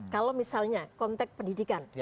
kalau misalnya konteks pendidikan